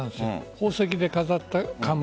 宝石で飾った冠。